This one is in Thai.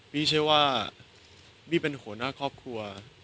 ไม่ใช่ว่าบี้เป็นหัวหน้าครอบครัว